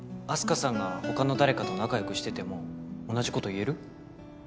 花さんが他の誰かと仲よくしてても同じこと言える？